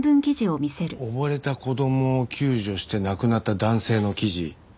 溺れた子供を救助して亡くなった男性の記事。